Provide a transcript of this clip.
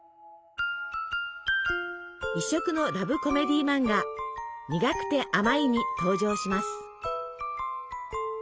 異色のラブコメディーマンガ「にがくてあまい」に登場します。